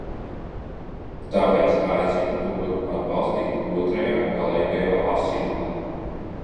Tāpēc aicinu to atbalstīt otrajā, galīgajā, lasījumā!